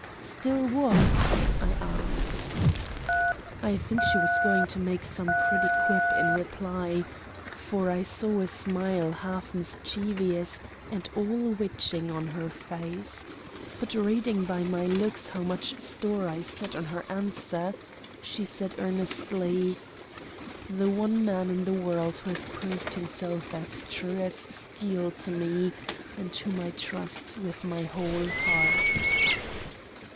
"Still what?" I asked. I think she was going to make some pretty quip in reply, for I saw a smile half mischievous and all witching on her face; but, reading by my looks how much store I set on her answer, she said earnestly: "The one man in the world who has proved himself as true as steel to me, and whom I trust with my whole heart."